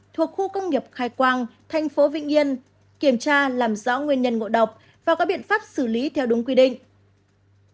thuộc khu công nghiệp khai quang thành phố vĩnh yên kiểm tra làm rõ nguyên nhân ngộ độc và có biện pháp xử lý theo đúng quy định